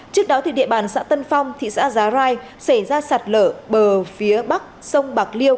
trước đó địa bàn xã tân phong thị xã giá rai xảy ra sạt lở bờ phía bắc sông bạc liêu